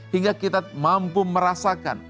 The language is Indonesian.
hingga kita mampu merasakan